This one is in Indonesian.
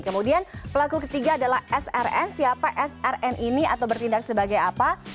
kemudian pelaku ketiga adalah srn siapa srn ini atau bertindak sebagai apa